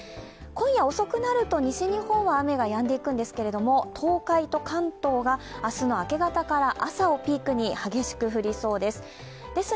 今夜遅くなると西日本は雨がやんでくるんですけれども東海と関東が明日の明け方から朝をピークに激しく降りそうです。